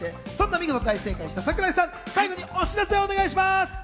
見事、大正解した桜井さん、お知らせをお願いします。